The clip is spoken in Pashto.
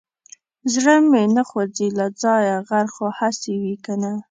زړه مې نه خوځي له ځايه غر خو هسې وي کنه.